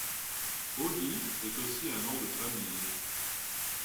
Hody est aussi un nom de famille.